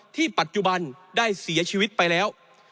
ปัจจุบันได้เสียชีวิตไปแล้ว